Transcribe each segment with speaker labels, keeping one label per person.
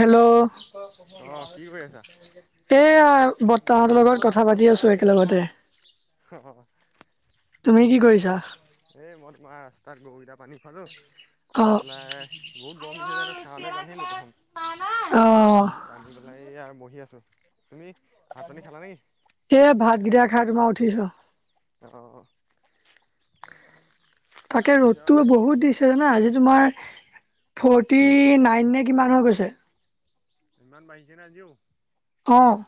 Speaker 1: Hello
Speaker 2: অ কি কৰি আছা
Speaker 1: এইয়া বৰতাহঁতৰ লগত কথা পাতি আছো একেলগতে।
Speaker 2: অ'
Speaker 1: তুমি কি
Speaker 2: তাকেহে
Speaker 1: কৰিছা?
Speaker 2: এই মই তোমাৰ ৰাস্তাত গৰুকেইটা। পানী খোৱালোঁ খোৱাই
Speaker 1: অ'।
Speaker 2: পেলাই বহুত গৰম দিছে যিহেতু ছালৈ বান্ধিলো প্ৰথম।
Speaker 1: অ',
Speaker 2: বান্ধি পেলাই এই আৰু বহি আছো, তুমি? ভাত পানী খালা নেকি
Speaker 1: সেই ভাতগেইটা খাই তোমাৰ উঠিছো।
Speaker 2: অ'
Speaker 1: তাকে
Speaker 2: তাৰপিছত
Speaker 1: ৰ'দতটো বহুত দিছে ন আজি। তোমাৰ ফ্ৰৰ্টি নাইন নে কিমান হৈ গৈছে।
Speaker 2: ইমান বাঢ়িছে ন আজিও।
Speaker 1: অ'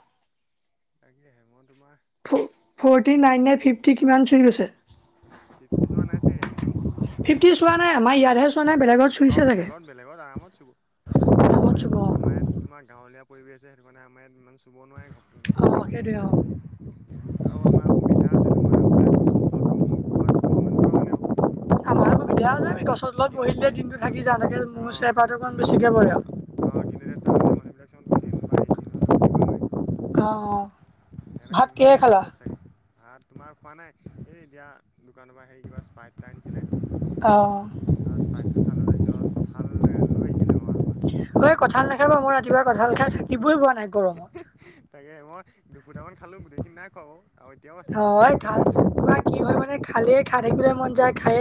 Speaker 2: তাকেহে মই তোমাৰ
Speaker 1: ফ্ৰৰ্টি নাইন ফিফটি কিমান চুই গৈছে।
Speaker 2: ফিফটি চোৱা নাই চাগে।
Speaker 1: ফিফটি চোৱা নাই আমাৰ ইয়াতে
Speaker 2: অ' বেলেগত বেলেগত আৰামত চুব।
Speaker 1: নামত
Speaker 2: আমাৰ
Speaker 1: চুব অ',
Speaker 2: ইয়াত আমাৰ ইয়াত তোমাৰ গাঁৱলীয়া পৰিৱেশ আছে, সেইটো কাৰণে আমাৰ ইয়াত ইমান চুব নোৱাৰে ঘপক মানে গছ
Speaker 1: অ',
Speaker 2: গছনি
Speaker 1: সেইটোৱে
Speaker 2: আছে যে
Speaker 1: অ'।
Speaker 2: অ' আমাৰ সুবিধা আছে তোমাৰ বোলে গছৰ তলত। বহো ক'ৰবাত বহোঁ এনেকুৱা মানে আৰু।
Speaker 1: [unintelligible] গছত লগত বহিলে দিনটো থাকি যাওঁ। তাকে মোৰ
Speaker 2: অ'
Speaker 1: চেপাটো অকণ
Speaker 2: কিন্তু
Speaker 1: বেছিকে পৰে
Speaker 2: কিন্তু
Speaker 1: আৰু
Speaker 2: অ' কিন্তু টাউনিয়া মাটি। মানুহবিলাক চোন ফেন বা এ চি নহ'লে থাকিব নোৱাৰে।
Speaker 1: অ'
Speaker 2: আৰু
Speaker 1: ভাত
Speaker 2: কিমান
Speaker 1: কিহে খালা?
Speaker 2: বিপদ চাগে ভাত। তোমাৰ খোৱা নাই এই এতিয়া দোকানৰ পৰা হেৰি কিবা স্পাইট এটা আনিছিলে।
Speaker 1: অ',
Speaker 2: তাৰপ স্পাইটটো খালো, তাৰপিছত কঁঠাল লৈ আহিছিলে মমা ঈৰ্ষা।
Speaker 1: ঔ কঁঠাল নাখাইবা, মই ৰাতিপুৱা কঁঠাল খাই থাকিবই পোৱা নাই গৰমত।
Speaker 2: তাকে মই দুফুটামান খালো, গোটেইখিনি নাই খোৱা। আৰু এতিয়াও আছে
Speaker 1: অ'
Speaker 2: এনেই দুফুটামান
Speaker 1: [unintelligible] হয় মানে খালেই খাই থাকিবলৈ মন যায় খায়।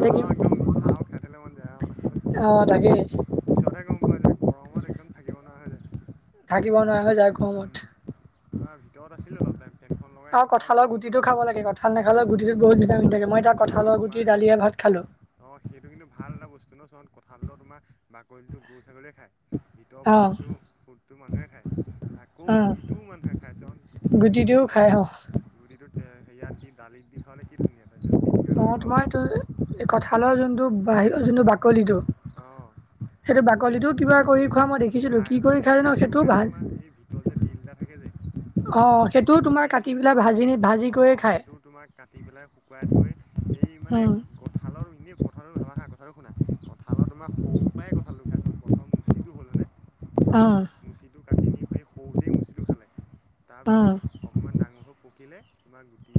Speaker 2: অ' একদম মিঠা খাই থাকিবলৈ মন যায় আৰু
Speaker 1: অ', তাকেই
Speaker 2: পিছতহে গ'ম পোৱা যায়। গৰমত একদম থাকিব নোৱাৰা হয় যায়।
Speaker 1: থাকিব নোৱাৰ হৈ যায়
Speaker 2: উম,
Speaker 1: গৰমত।
Speaker 2: তোমাৰ ভিতৰত আছিলোঁ অলপ টাইম ফেনখন লগাই
Speaker 1: অ'
Speaker 2: এনেকুৱা
Speaker 1: কঁঠালৰ
Speaker 2: গৰম
Speaker 1: গুটিতু খাব লাগে, কঁঠাল নাখালেও গুটিতো বহুত ভিটামিন থাকে। মই এতিয়া
Speaker 2: অ'
Speaker 1: কঁঠালৰ গুটি
Speaker 2: তোমাৰ
Speaker 1: দালিয়ে ভাত খালোঁ।
Speaker 2: অ' সেইটো কিন্তু ভাল এটা বস্তু ন চ। কথাল তো তোমাৰ বাকলিটো গৰু ছাগলীয়ে খায়, ভিতৰৰ
Speaker 1: অ',
Speaker 2: ফুডটো ফুডটো মানুহে খায়। আকৌ
Speaker 1: উম,
Speaker 2: গুটিটো মানুহে খাই চোৱা চোৱা গুটিটো
Speaker 1: গুটিটোও খাই
Speaker 2: তোমাৰ
Speaker 1: অ',
Speaker 2: গুটিটো। তেতিয়া সেয়াত দি দিত দি খাবাললৈ কি ধুনীয়া। তাৰপিছত, পিটিকা কৰিও
Speaker 1: অ'
Speaker 2: খাব
Speaker 1: তোমাৰ
Speaker 2: পাৰি
Speaker 1: এইটো কঁঠালৰ যোনটো বাহিৰ যোনটো বাকলিটো
Speaker 2: অহ'
Speaker 1: সেইটো বাকলিটোও কিবা কৰি খোৱা মই দেখিছিলোঁ
Speaker 2: খাই
Speaker 1: কি কৰি
Speaker 2: এই
Speaker 1: খোৱা জানো সেইটোও ভাল।
Speaker 2: কে জে
Speaker 1: অ' সেইটোও তোমাৰ কাটি পেলাই ভাজি নি ভাজি
Speaker 2: অঁ
Speaker 1: কৰি খায়।
Speaker 2: সেইটো তোমাক কাটি পেলাই শুকুৱাই থৈ এই মানে
Speaker 1: উম,
Speaker 2: কঁঠালৰ এনেই পথাৰৰ ভাবা খা কথাটো শুনা। কঁঠালৰ তোমাৰ সৰুৰ পৰাই কঁঠাল টো খাইছোন পথৰ মুচিটো হ'ল হয়নে।
Speaker 1: উম,
Speaker 2: মুচিটো কাটি নি সেই সৰুতেই মুচিটো খালে। তাৰ
Speaker 1: উম,
Speaker 2: পিছত অকমান ডাঙৰ হৈ পকিলে তোমাৰ গুটি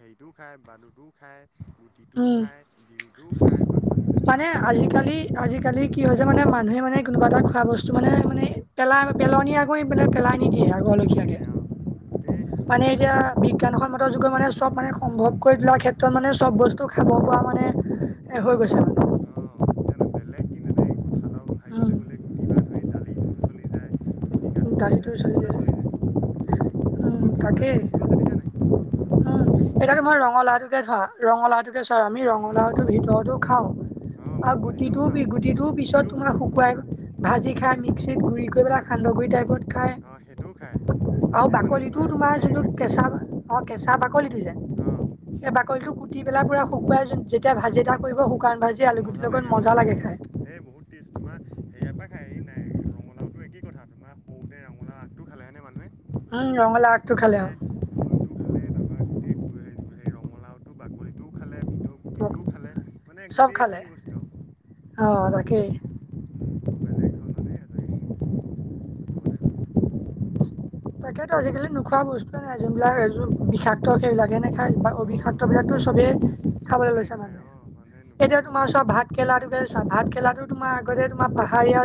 Speaker 2: হেৰিটোও খায়, বান্দুটো খায়। গুটিটোও
Speaker 1: উম।
Speaker 2: খাই, দিল টোও খাই, বাকলিতো যেনিবা
Speaker 1: মানে
Speaker 2: গৰুয়ে খাই।
Speaker 1: আজিকালি আজিকালি কি হৈছে মানে মানুহে মানে কোনোবা এটা খোৱা বস্তু মানে মানে পেলাই পেলনীয়া কৰী পেলাই। আগৰ লেষিয়াকে
Speaker 2: নিদিয়ে অ গোটেই
Speaker 1: মানে
Speaker 2: বস্তু
Speaker 1: এতিয়া বিজ্ঞানত সনমত যুগে মানে। ব মানে সম্ভৱ কৰি লোৱা ক্ষেত্ৰত মানে চ'ব বস্তু খাব পৰা মানে এ হৈ গৈছে। মানে।
Speaker 2: অ জানা বেলেগ কিন্তু দেই কথা অলপ
Speaker 1: উম,
Speaker 2: ভাবিবলৈ গ'লে গুটি বা ধৰি দালিটো চলি যায়। পিটিকাটোও হৈ
Speaker 1: দালিটো
Speaker 2: যায়
Speaker 1: চলিলে
Speaker 2: চবতে চলি যায়। আৰু খাবলৈ
Speaker 1: তাকেই
Speaker 2: টেষ্টটো আছে দেখিছা নাই
Speaker 1: উম, এটাকে মই
Speaker 2: তোমাক
Speaker 1: ৰঙালাওটোকে ধোৱা ৰঙালাওটো চোৱা আমি
Speaker 2: উম
Speaker 1: ৰঙালাওটোৰ ভিতৰতো খাওঁ।
Speaker 2: অঁ
Speaker 1: আৰু
Speaker 2: বাকলিটোও
Speaker 1: গুটিটো
Speaker 2: খাওঁ
Speaker 1: গুটিটোৰ পিছত
Speaker 2: গুটিটোও
Speaker 1: তোমাৰ
Speaker 2: খাওঁ
Speaker 1: শুকুৱাই ভাজি খাই মিক্স মিক্মত গুড়ি কৰি পেলাই খান্দহগুড়ি টাইপ। গোট খায়
Speaker 2: অঁ সেইটোও খায়
Speaker 1: আৰু
Speaker 2: এই মানে
Speaker 1: বাকলিতো তোমাৰ
Speaker 2: গোটেই
Speaker 1: যোনতো কেচা কেচা বাকলিটো যে
Speaker 2: অঁ
Speaker 1: সেই বাকলি টো কুটি পেলাই পুৰা শুকুৱাই যেতিয়া ভাজি এটা কৰিব শু
Speaker 2: মজা লাগে অ' এই বহুত টেষ্ট তোমাৰ হেয়া সৰু পায় খাই, এই নাই ৰঙালাওটো একেই কথা তোমাৰ সৰুতে ৰঙালাও আগটো খালে হয়নে মানুহে। আগটো খালে, ফুলটো খালে, তাৰপা গোটেই হেই ৰঙালাওটো বাকলিটোও খালে ভিতৰ
Speaker 1: আৰু
Speaker 2: গুটিটোও খালে মানে গোটেই।
Speaker 1: চব খালে
Speaker 2: এইখিনি বস্তু
Speaker 1: অ তাকেই
Speaker 2: উম বেলেগ ধৰণৰ দেই। [unintelligible] ক'বলৈ গ'লে।
Speaker 1: তাকেতো আজিকালি নোখোৱা বস্তুৱে নাই যোনবিলাক বিষাক্ত সেইবিলাক যেনে শাক
Speaker 2: অঁ
Speaker 1: অবিষাক্ত বিলাকটো
Speaker 2: নোখোৱা
Speaker 1: চবেই খাবলৈ
Speaker 2: চবেই
Speaker 1: লৈছে
Speaker 2: খায়
Speaker 1: মানুহে।
Speaker 2: অঁ মানুহে নোখোৱা
Speaker 1: এতিয়া তোমাৰ
Speaker 2: বস্তুৱে
Speaker 1: চোৱা ভাত
Speaker 2: নাই
Speaker 1: কেৰেলাটো বা
Speaker 2: আজিকালি।
Speaker 1: ভাত কেৰেলাটো তোমাৰ আগতে। আমাৰ পাহাৰীয়া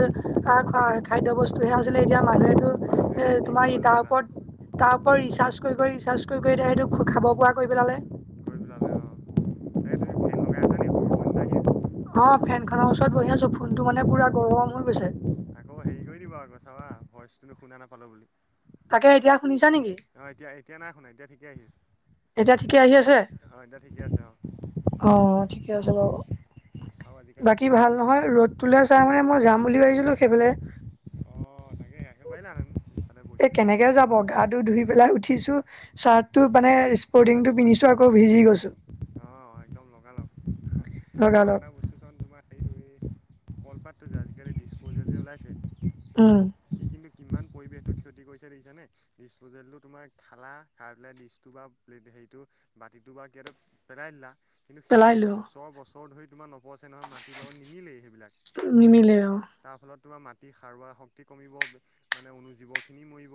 Speaker 1: শাক খাদ্য বস্তুহে আছিলে এতিয়া। মানুহেতো
Speaker 2: মানুহে
Speaker 1: এ
Speaker 2: খেতি কৰিব
Speaker 1: তাৰ
Speaker 2: ল'লে না।
Speaker 1: ওপৰত তাৰ ওপৰত ৰিচাৰ্জ কৰি কৰি ৰিচাৰ্জ কৰি কৰি এতিয়া সেইটো খাব পৰা কৰি পেলালে।
Speaker 2: কৰি পেলা'লে অ' তাকে তুমি ফেন লগাই আছা নে হ সলনি এটা আহি আছে।
Speaker 1: অ' ফেন খনৰ ওচৰত বহি আছো, ফোন টো মানে পোৰা গৰম হৈ গৈছে।
Speaker 2: আকৌ হেৰি কৰি দিব আকৌ চাবা ভইচ টোনো শুনা নাপালো বুলি।
Speaker 1: তাকে এতিয়া শুনিছা নেকি
Speaker 2: অ' এতিয়া এতিয়া নাই শুনা এতিয়া ঠিকে আহিছে।
Speaker 1: এতিয়া ঠিকে আহি আছে,
Speaker 2: আছে অঁ।
Speaker 1: অ' ঠিকে আছে বাৰু।
Speaker 2: আৰু আজিকালি
Speaker 1: বাকী
Speaker 2: তোমাৰ
Speaker 1: ভাল
Speaker 2: সেই
Speaker 1: নহয়
Speaker 2: দিছপ
Speaker 1: ৰ'দতলৈ চাই মানে মই যাম বুলি ভাবিছিলো। সেইপিনে।
Speaker 2: অঁ তাকে আহিব পাৰিলা হন।
Speaker 1: এ কেনেকে যাব গা ধুই পেলাই উঠিছো। চাৰ্ট টো মানে স্পৰ্টিং টো পিন্ধিছো আকৌ ভিজি গৈছো।
Speaker 2: অ' একদম লগালগ এ আৰু
Speaker 1: লগালগ
Speaker 2: এটা বস্তু চোন তোমাৰ হেৰিটো এই। কলপাতটো যে আজিকালি ডিছপ'জেল ওলাইছে
Speaker 1: উম
Speaker 2: সি কিন্তু কিমান। পৰিৱেশটো ক্ষতি কৰিছে দেখিছানে? ডিচপজেলটো তোমাৰ খালা খাই পেলাই ডিচটো বা প্লেৰ্ট হেৰিটো মাটিটো বা কিবা পেলাই দিলা কিন্তু
Speaker 1: পেলাই
Speaker 2: সেইটোত
Speaker 1: দিওঁ
Speaker 2: বছৰ বছৰ ধৰি তোমাৰ। অপচে নহয় মাটিৰ লগত নিমিলেই সেইবিলাক
Speaker 1: নিমিলে অ
Speaker 2: তাৰ ফলত। তোমাৰ মাটি সাৰুৱোৱা শক্তি কমিব মানে অনু জীৱখিনি মৰিব।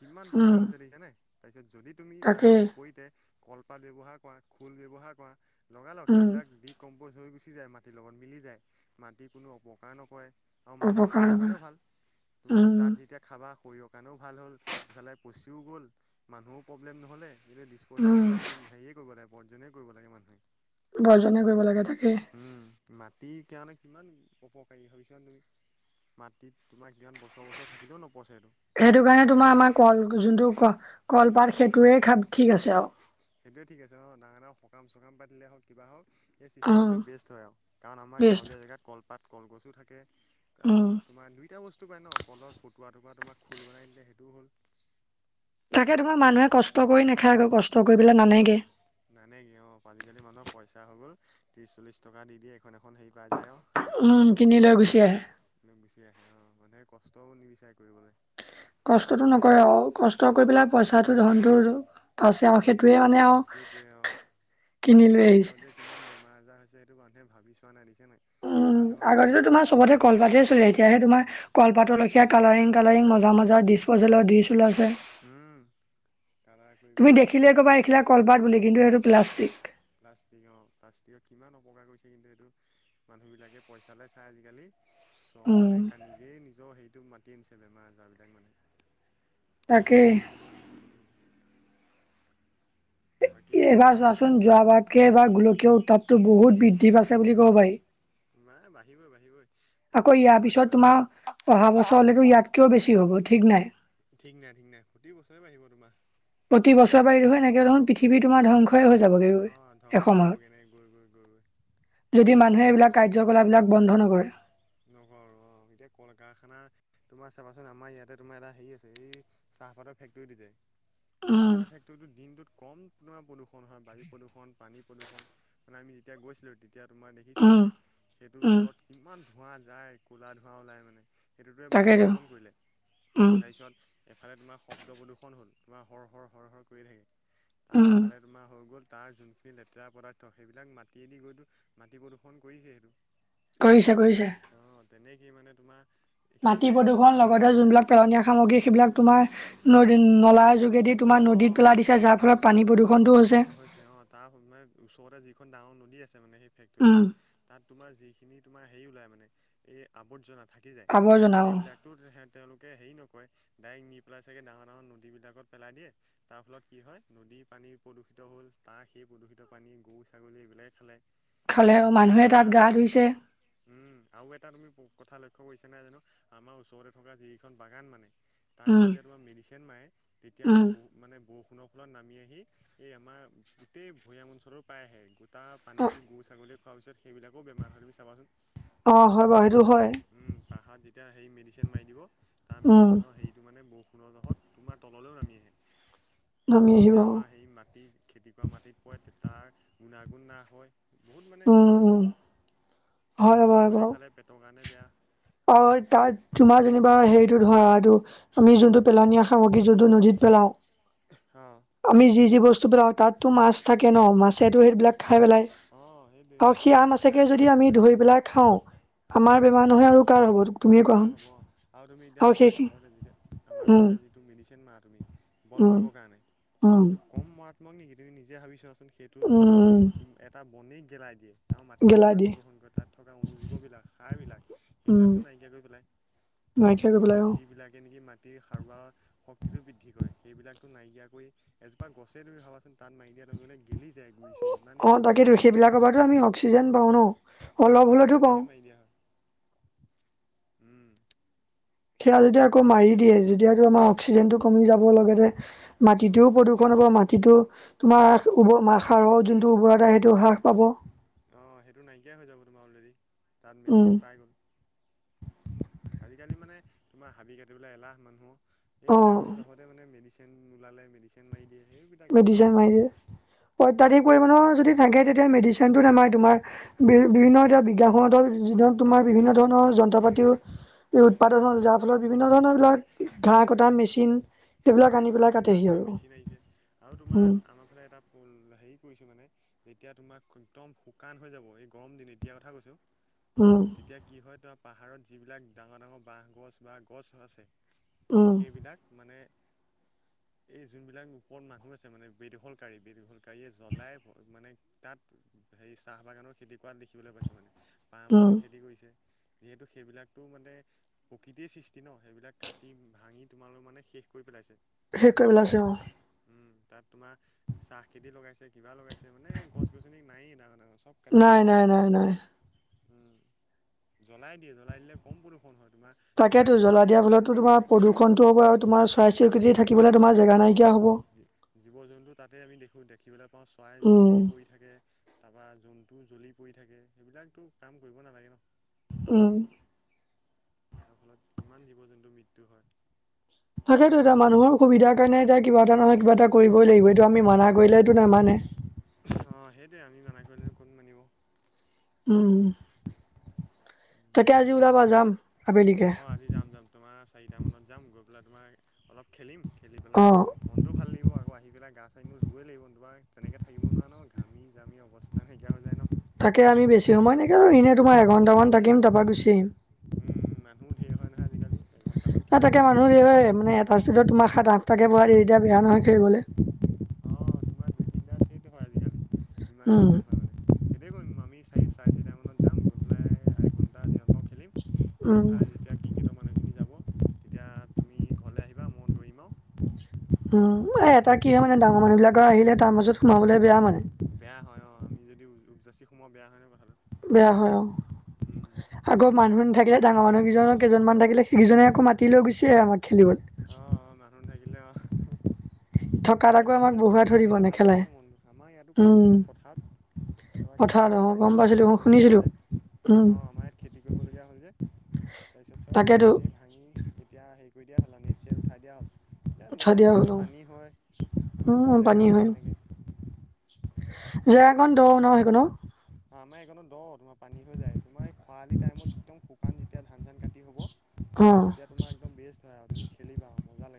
Speaker 2: কিমান
Speaker 1: উম
Speaker 2: প্ৰব্লেম হৈছে দেখিছানে? তাৰপিছত যদি তুমি তাৰ
Speaker 1: তাকেই
Speaker 2: বিপৰীতে কলপাত ব্যৱহাৰ কৰা। খোল ব্যৱহাৰ কৰা লগালগ
Speaker 1: উম
Speaker 2: সেইবিলাক দি ক'ম। হৈ গুচি যায় মাটিৰ লগত মিলি যায়, মাটি কোনো অপকাৰ নকৰে। আৰু মানুহৰ
Speaker 1: অপকাৰ
Speaker 2: শৰীৰৰ
Speaker 1: নকৰে
Speaker 2: কাৰণেও ভাল, তোমাৰ
Speaker 1: উম
Speaker 2: তাত যেতিয়া খাবা। শৰীৰৰ কাৰণেও ভাল হ'ল, ইফালে পচিও গ'ল, মানুহো প্ৰব্লেম নহ'লে। যিহেতু ডিছপজেল
Speaker 1: উম
Speaker 2: এইটো আমি হেৰিয়ে কৰিব লাগে পৰ্জনেই কৰিব লাগে মানুহে।
Speaker 1: বৰ্জনে কৰিব লাগে তাকেই
Speaker 2: তেতিয়া হ'লে কাৰণে কিমান অপকাৰী ভাবিছ ন তুমি মাটিত তোমাক কিমান বছৰ বছৰ থাকিলেও নপচে টো
Speaker 1: সেইটো কাৰণে তোমাৰ আমাৰ কল যোনটো কলপাত সেইটোৱে খাব ঠিক আছে আৰু
Speaker 2: সেইটোয়ে ঠিক আছে ন ডাঙৰ ডাঙৰ সকাম চকাম পাতিলে হও কিবা হওক সেই
Speaker 1: উম
Speaker 2: চিষ্টেমটো বেষ্ট হয় আৰু কাৰণ আমাৰ
Speaker 1: বেষ্ট
Speaker 2: গাঁৱলীয়া জেগাত কলপাত কলগছো থাকে
Speaker 1: উম
Speaker 2: আৰু তোমাৰ দুইটা বস্তু বট পায় ন কলৰ পটুৱা টুকুা তোমাক খুল বনাই দিলে সেইটোও হ'ল
Speaker 1: তাকে ধোমৰা মানুহে কষ্ট কৰি নাখায় আগৌ কষ্ট কৰি পেলাই নানেগে
Speaker 2: নাই নাই কি আজিকালি মানুহৰ পইচা হৈ গল ত্ৰিশ চল্লিশ টকা দি দিয়ে এখন এখন হেৰি পাই যায় আৰু
Speaker 1: উম কিনি লৈ গুচি আহে
Speaker 2: ঠিক আহে অ মানে কষ্টও নিবিচাৰে কৰিবলৈ তাৰ
Speaker 1: কষ্টতটো
Speaker 2: ফলত যে
Speaker 1: নকৰে
Speaker 2: কি
Speaker 1: অ কষ্ট
Speaker 2: অ
Speaker 1: কৰি পেলাই পইচাটো ধনতো পছে আৰু সেইটো
Speaker 2: সেইটোৱে অ
Speaker 1: কিনি লৈ
Speaker 2: তাৰ
Speaker 1: আহিছে
Speaker 2: ফলত যে কিমান বেমাৰ আজাৰ হৈছে সটো মানুহে ভাবি চোৱা নাই
Speaker 1: উম
Speaker 2: কিমান বেমাৰ হ'ব
Speaker 1: আগতে
Speaker 2: পাৰে তাত
Speaker 1: তোমাৰ চবতে
Speaker 2: প্লাষ্টিকৰ
Speaker 1: কলপাতে চছিলে এতিয়াহে তোমাৰ কলপাতলৈে সেয়া কালাৰিং কালাৰিং মজা মজা ডিছপ'জেলৰ দি চোলিছে
Speaker 2: উম কালাৰ কৰি কৰি
Speaker 1: তুমি
Speaker 2: একদম কল
Speaker 1: দেখিলে ক'বা এইখিলা কলপাত বুলি কিন্তু সেইটো প্লাষ্টিক
Speaker 2: প্লাষ্টিকৰ প্লাষ্টিকক কিমান অপকাৰ কৰিছে কিন্তু এইটো মানুহবিলাকে পইচালৈ চাই আজিকালি চব
Speaker 1: উম,
Speaker 2: মানে নিজেই নিজৰ হেৰিটো মাতি আনিছে বেমাৰ আজাৰ বিলাক মানে
Speaker 1: তাকেই
Speaker 2: উম বাকী
Speaker 1: এইবাৰ
Speaker 2: তোমালোকৰ ফালে কা
Speaker 1: যোৱাচোন যোৱাবাৰকে এইবাৰ গোলকীয় উত্তাপটো বহুত বৃদ্ধি পাইছে বুলি ক'ব পাৰি।
Speaker 2: মা বাঢ়িবই বাঢ়িবই। প্ৰতি
Speaker 1: আকৌ ইয়াৰ
Speaker 2: বছৰে বাঢ়িব
Speaker 1: পিছত
Speaker 2: এইটো
Speaker 1: তোমাৰ, অহা বছৰ হ'লেতো ইয়াতকেও বেছি হ'ব ঠিক নাই।
Speaker 2: ঠিক নাই ঠিক নাই। প্ৰতি বছৰে বাঢ়িব তোমাৰ।
Speaker 1: প্ৰতি বছৰ বাঢ়িব, এনেকে খুন পৃথিৱী তোমাৰ ধ্বংস হৈ যাবগৈ
Speaker 2: অ, ধ্বংসই হ'ব
Speaker 1: এসময়ত।
Speaker 2: এনেকে গৈ গৈ গৈ গৈ।
Speaker 1: যদি মানুহে এইবিলাক কাৰ্য-কলাপবিলাক বন্ধ নকৰে।
Speaker 2: নকৰ ন? এতিয়া কল কাৰখানা, তোমাৰ চাবাচোন আমাৰ ইয়াতে তোমাৰ এটা হেৰি আছে, এই চাহপাতৰ ফেক্টৰী টো যে।
Speaker 1: উম,
Speaker 2: চাহপাতৰ ফেক্টৰীটো দিনটোত কম তোমাৰ প্ৰদূষণ হয়, বায়ু প্ৰদূষণ, পানী প্ৰদূষণ, মানে আমি যেতিয়া গৈছিলো তে, তেতিয়া তোমাৰ দেখিছোঁ
Speaker 1: উম,
Speaker 2: মানে, সেইটোৰ
Speaker 1: উম,
Speaker 2: ফলত কিমান ধোঁৱা যায়, ক'লা ধোঁৱা ওলাই মানে। সেইটোটোৱে বায়ু
Speaker 1: তাকেইতো
Speaker 2: প্ৰদূষণ কৰিলে।
Speaker 1: উম।
Speaker 2: তাৰপিছত এফালে তোমাৰ শব্দ প্ৰদূষণ হ'ল। তোমাৰ হৰ-হৰ হৰ-হৰ কৰি থাকে, তাৰ
Speaker 1: উম,
Speaker 2: এফালে তোমাৰ হৈ গ'ল, তাৰ যোনখিনি লেতেৰা পদাৰ্থ সেইবিলাক মাটিয়েদি গৈ তো মাটি প্ৰদূষণ কৰিছেই সেইটো।
Speaker 1: কৰিছে কৰিছে।
Speaker 2: তেন অ তেনেকেই মানে তোমাৰ
Speaker 1: মাটি
Speaker 2: সেইটোৱে
Speaker 1: প্ৰদূষণ
Speaker 2: উদাহৰণ
Speaker 1: লগতে
Speaker 2: হিচাপে
Speaker 1: যোনবিলাক পেলনীয়া সামগ্ৰী সেইবিলাক তোমাৰ ন-নলা য দি
Speaker 2: অ
Speaker 1: তোমাৰ
Speaker 2: অ
Speaker 1: নদীত
Speaker 2: অ
Speaker 1: পেলাই দিছে যাৰ
Speaker 2: তাৰ
Speaker 1: ফলত পানী প্ৰদূষনটো হৈছে।
Speaker 2: দি আছে মানে সেই
Speaker 1: উম,
Speaker 2: ফেক্টৰীটো। তাত তোমাৰ যিখিনি তোমাৰ হেৰি ওলাই মানে, এই আবৰ্জনা থাকি টি যায়,
Speaker 1: আৱৰ্জনা অ,
Speaker 2: সেইবিলাকতো হে-তেওঁলোকে হেৰি নকৰে ডাইৰেক্ট নি পেলাই চাগে ডাঙৰ ডাঙৰ নদীবিলাকত পেলাই দিয়ে, তাৰ ফলত কি হয় নদী-পানী প্ৰদূষিত হ'ল, তাৰ সেই প্ৰদূষিত পানী গৰু ছাগলীয়ে বিলাকে খালে,
Speaker 1: খালে
Speaker 2: সেইবিলাকও
Speaker 1: মানুহে তাত
Speaker 2: বেমাৰ-আজাৰ
Speaker 1: গা
Speaker 2: হ'ল।
Speaker 1: ধুইছে
Speaker 2: উম। আও এটা তুমি প-কথা লক্ষ্য কৈছা নে নাই জানো, আমাৰ ওচৰতে থকা যিখন বাগান মানে তাত
Speaker 1: উম,
Speaker 2: যেতিয়া তোমাৰ মেডিচিন মাৰে, এতিয়া
Speaker 1: উম।
Speaker 2: ব মানে বৰষুণৰ ফলত নামি আহি, এই আমাৰ গোটেই ভৈয়াম অঞ্চলো প্ৰায় আহে, গোটা
Speaker 1: অ,
Speaker 2: পানীটো গৰু-ছাগলী খোৱাৰ পিছত সেইবিলাকো বেমাৰ হয়। তুমি চাবাচোন।
Speaker 1: অ হয় বাৰু সেইটো হয়।
Speaker 2: তেতিয়া হেৰি মেডিচিন মাৰি দিব, তাৰ
Speaker 1: উম,
Speaker 2: মেডিচিনৰ হেৰিটো মানে বৰষুণৰ জোখত তোমাৰ তললৈও নামি আহে,
Speaker 1: নামি আহিব
Speaker 2: যেতিয়া
Speaker 1: অ,
Speaker 2: আমাৰ সেই মাটি খেতি কৰা মাটিত পৰে তে- তাৰ গুণাগুণ না হয়, বহুত মানে
Speaker 1: উম,
Speaker 2: হেৰি
Speaker 1: উম।
Speaker 2: হয় আৰু।
Speaker 1: হয়
Speaker 2: গৰু ছাগলীয়ে
Speaker 1: ব-বাৰু,
Speaker 2: খালে পেটৰ কাৰণে বেয়া
Speaker 1: আৰু তাত তোমাৰ যেনিবা হেৰি টো ধৰা এইটো আমি যোনটো পেলনীয়া সামগ্ৰী যোনটো নদীত পেলাওঁ,
Speaker 2: অ
Speaker 1: আমি যি যি বস্তু পেলাওঁ, তাততো মাছ থাকে ন মাছেতো সেইবিলাক খাই পেলাই
Speaker 2: অ সেইটোৱে
Speaker 1: আৰু সেয়া
Speaker 2: মাছ খাই
Speaker 1: মাছকে যদি
Speaker 2: মাছ
Speaker 1: আমি
Speaker 2: মৰিব
Speaker 1: ধৰি পেলাই খাওঁ, আমাৰ
Speaker 2: উম
Speaker 1: বেমাৰ নহয় আৰু কাৰ হ'ব তুমিয়ে
Speaker 2: কাহ
Speaker 1: কোৱাচোন?
Speaker 2: হ'ব আৰু তুমি এতিয়া
Speaker 1: অ
Speaker 2: আমাৰ
Speaker 1: শেষ,
Speaker 2: ঘৰতে যেতিয়া আমাৰ
Speaker 1: উম।
Speaker 2: ঘৰতে যিটো মেডিচিন মাৰা তুমি বন
Speaker 1: উম
Speaker 2: মৰিবৰ কাৰণে
Speaker 1: উম
Speaker 2: সেইটো কম মাৰাত্মক নেকি তুমি নিজে ভাবি চোৱা সেইটো জহত,
Speaker 1: উম
Speaker 2: টা বনেই গেলাই দিয়ে। আৰু মাটিৰ
Speaker 1: গেলাই
Speaker 2: কিমান
Speaker 1: দিয়ে
Speaker 2: প্ৰদূষন কৰে তাত থকা অনুজীৱ বিলাক, সাৰ বিলাক।
Speaker 1: উম
Speaker 2: সেইবিলাকতো নাইকিয়া কৰি পেলায়।
Speaker 1: নাইকিয়া কৰি পেলাই অ
Speaker 2: যি-যিবিলাকে নেকি মা টি সাৰুৱা শক্তিটো বৃদ্ধি কৰে, সেইবিলাকটো নাইকিয়া কৰি, এজোপা গছে তুমি ভাৱাচোন তাত নাইকিয়া [unintelligible] গেলি যায় গুৰি-চুৰি ইমানে
Speaker 1: তাকেইেতো সেইবিলাকৰ পৰাটো আমি অক্সিজেন পাওঁ ন?
Speaker 2: অ
Speaker 1: অলপ হ'লেতো পাওঁ।
Speaker 2: সেইবিলাকে মাৰি দিয়া হয় উম
Speaker 1: সেয়া যেতিয়া আকৌ মাৰি দিয়ে, যেতিয়াটো আমাৰ অক্সিজেনটো কমি যাব লগতে,
Speaker 2: অ
Speaker 1: মাটিটোও প্ৰদূষণ হ'ব। মাটিটো তোমাৰ
Speaker 2: মাত
Speaker 1: [unintelligible] সাৰৰ যোনটো উৰ্বৰতা সেইটো হ্ৰাস পাব।
Speaker 2: অ, সেইটো নাইকিয়াই হৈ যাব তোমাৰ অলৰেডি। তাত
Speaker 1: উম
Speaker 2: মেডিচিন পাই গ'ল। আজিকালি মানে, তোমাৰ হাবি কাটিবলে এলাহ মানুহৰ,
Speaker 1: অ
Speaker 2: এইবিলাকৰ জহতে মানে মেডিচি চিন ওলালে মেডিচিন মাৰি দিয়ে। সেইবিলাকে আৰু
Speaker 1: মেডিচিন, মাৰি দিয়ে অত্যাধিক
Speaker 2: উম।
Speaker 1: পৰিমণৰ যদি থাকে তেতিয়া মেডিচিন তেন্তটো নমাই, তোমাৰ বি বিভিন্ন এতিয়া বিজ্ঞানখনত, যি তোমাৰ বিভিন্ন ধৰণৰ যন্ত্ৰ পাতিও। এই উৎপাদন
Speaker 2: অ',
Speaker 1: হ'ল, যাৰ ফলত বিভিন্ন ধৰণৰ এই বিলাক ঘাঁহ কটা মেচিন সেইবিলাক আনি
Speaker 2: অ',
Speaker 1: পেলাই
Speaker 2: ঘাঁহ
Speaker 1: কাটেহি
Speaker 2: কটা
Speaker 1: আৰু।
Speaker 2: মেচিন আহিছে আৰু তোমাৰ,
Speaker 1: উম
Speaker 2: আমাৰ ফালে এটা হেৰি কৰিছো। মানে যেতিয়া তোমাক একদম শুকান হৈ যাব এই গৰম দিন এতিয়া কথা কৈছো।
Speaker 1: উম
Speaker 2: তেতিয়া কি হয় তোমাৰ পাহাৰত যিবিলাক ডাঙৰ ডাঙৰ বাঁহ গছ, বা গছ আছে।
Speaker 1: উম
Speaker 2: সেইবিলাক মানে এই যোনবিলাক ওপৰত মানুহ আছে, মানে বেদখলকাৰী বেদীখলকাৰীয়ে জ্বলাই মানে। তাত সেই চাহ বাগানৰ খেতি কৰা দেখিবলৈ পাইছো মানে পাহ
Speaker 1: উম
Speaker 2: মইলও খেতি কৰিছে। যিহেতু সেইবিলাকতো মানে প্ৰকৃতিয়ৰ সৃষ্টি ন সেইবিলাক কাটি ভাঙি তোমালোক মানে শেষ কৰি পেলাইছে।
Speaker 1: শেষ কৰি পেলাইছে
Speaker 2: উম, তাত তোমাৰ চাহ খেতি লগাইছে কিবা লগাইছে। মানে গছ, গছনি নায়েই, চব কাটি কুটি
Speaker 1: নাই
Speaker 2: এদাই
Speaker 1: নাই
Speaker 2: কৰি দি
Speaker 1: নাই নাই
Speaker 2: উম, জ্বলাই দিয়ে জ্বলাই দিলে কম বৰষুণ হয়। তোমাৰ চৰাই
Speaker 1: তাকেতো জ্বল
Speaker 2: চিৰিকটি
Speaker 1: দিয়া
Speaker 2: মৰে
Speaker 1: ফলতো তোমাৰ প্ৰূষণতো হব আৰু তোমাৰ চই চিৰতি থাকে। শিবলে তোমাৰ জেগা
Speaker 2: অ
Speaker 1: নাইকিয়া হ'ব।
Speaker 2: জীৱ জন্তু তাতে আমি দেখোঁ দেখিবলৈ পাওঁ, চৰাই জ্বলি
Speaker 1: উম
Speaker 2: পৰি থাকে তাৰপৰা যোন টো, জ্বলি পৰি থাকে সেইবিলাকতো কাম কৰিব নালাগে ন।
Speaker 1: উম।
Speaker 2: তাৰ ফলত, কিমান জীৱ জন্তুৰ মৃত্যু হয়।
Speaker 1: তাকেতেতো, এয়া মানুহৰ সুবিধাৰ কাৰণে এতিয়া কিবা এটা নহয় কিবা এটা কৰিবই লাগিব, এইটো আমি মাননা কৰিলেতো নামানে।
Speaker 2: অ, সেইটোৱয়ে আমি নানাই কৰিলে কোন মানিব।
Speaker 1: উম, তাকে আজি উলাবা যাম। আবেলিকে
Speaker 2: অ, আজি যাম, যাম তোমাৰ চাৰিটা মানত যাম গৈ, পেলাই তোমাৰ অলপ খেলিম। খেলি
Speaker 1: অ
Speaker 2: পেলাই মনটো ভাল লাগিব আকৌ। আহি এইবিলাক গা চাননো ধুই লাগিব তোিবা তেনেকৈ থাকিব নোৱাৰে ন ঘামি জামি অৱস্থা নাইকিয়া হৈ যায় ন।
Speaker 1: তাকে আমি বেছি সময় নকৰি আৰু এনেই তোমাৰ
Speaker 2: বেছি
Speaker 1: এঘণ্টামান
Speaker 2: নেখেলোঁ
Speaker 1: থাকিম
Speaker 2: অঁ
Speaker 1: তাৰপৰা গুচি
Speaker 2: উম মানুহো
Speaker 1: আহিম।
Speaker 2: ধেৰ হয়, ন, আজিকালি এঘন্টামান খেলিম
Speaker 1: তাকে মানুহ দ মানে এটা ষ্টেডত তোমাক সাত আঠটাকৈ বহ দে, এতিয়া বেয়া নহয় খেলিবলৈ।
Speaker 2: অ, তোমাৰ দুই তিনিটা চেইটো হয়, আজিকালি ইমানেই
Speaker 1: উম
Speaker 2: মানুহ হয় মানে। সেইটোৱে কৰিম, আমি চাৰি চাৰে চাৰিটামানত যাম, গৈ পেলাই এণ্টা যিহত পাৰওঁ খেলিম।
Speaker 1: উম
Speaker 2: ইফালে যেতিয়া কি গেটৰ মানুহখিনি যাব তেতিয়া তুমি এইফালে আহিবা, মই দৌৰিম আৰু।
Speaker 1: উম, এটা কি হয়ে মানে ডাঙৰ মানুহ বিলাকৰ আহিলে, তাৰ মাছত সোমাবলৈ বেয়া মানে।
Speaker 2: [unintelligible] সমমোৱা বেয়া হয় ন। কথাটো
Speaker 1: বেয়া হয়, অ,
Speaker 2: উম
Speaker 1: আগৰ মানুহিন থাকিলে ডাঙৰ মানুহ কেইজনৰ, কেইজনমান থাকিলে সেইকেইজনে আকৌ মাতি লৈ গুছে, আমাক খেলিবলৈ।
Speaker 2: অ [inaudible] নাই,
Speaker 1: আকৌ
Speaker 2: খেল
Speaker 1: আমাক
Speaker 2: চেল
Speaker 1: বহুৱাই
Speaker 2: হৈ
Speaker 1: থৈ দিব
Speaker 2: থাকিলে ভাল লাগে
Speaker 1: নেখেলাই
Speaker 2: ন মনটো, আমাৰ ইয়াতো কৰিছিল
Speaker 1: উম
Speaker 2: ন, পথাৰত। তাৰপৰা কি
Speaker 1: পথাৰত
Speaker 2: হ'ল
Speaker 1: অ
Speaker 2: তোমাৰ
Speaker 1: গম
Speaker 2: এতিয়া খেতি
Speaker 1: পাইছিলো অ
Speaker 2: কৰিবলগীয়া হ'ল,
Speaker 1: শুনিছিলো
Speaker 2: যে
Speaker 1: উম
Speaker 2: অ, আমাৰ ইয়াত খেতি কৰিবলগীয়া হ'ল তাৰপিছত চব,
Speaker 1: তাকেতো
Speaker 2: হেৰি চেৰী ভাঙি, এতিয়া হেৰি কৰি দিয়া হ'ল আৰু চ উঠাই দিয়া হ'ল। এয়া
Speaker 1: উঠা
Speaker 2: নোৱাৰ
Speaker 1: দিয়া
Speaker 2: নহয়,
Speaker 1: হ'ল
Speaker 2: তুমি
Speaker 1: অ
Speaker 2: পানী হয়, ওখ
Speaker 1: উম
Speaker 2: জেগা
Speaker 1: পানী
Speaker 2: নাই
Speaker 1: হয়
Speaker 2: তেনেকে।
Speaker 1: জেগখন দ, ন সেইখনউ।
Speaker 2: আমাৰ এইখনো দ তোমাৰ পানী হৈ যায়, তোমাৰ এই খৰালি টাইমত, একদম শুকান যেতিয়া ধান চান কাটি হ'ব। তেতিয়া তোমাৰ, একদম বেষ্ট হয়, আৰু তুমি খেলিবা মজা লাগে।